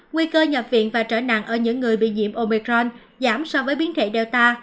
nguy cơ nhập viện và trở nặng ở những người bị nhiễm omicron giảm so với biến thể data